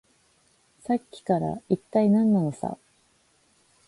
さっきから、いったい何なのさ。